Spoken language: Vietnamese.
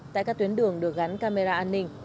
tại các tuyến đường được gắn camera an ninh